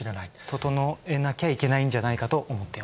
整えなきゃいけないんじゃな